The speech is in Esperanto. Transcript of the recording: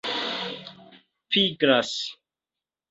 pigras